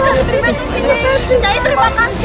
nyai terima kasih